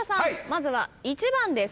まずは１番です。